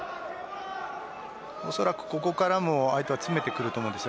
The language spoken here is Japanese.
おそらくここからも相手は詰めてきます。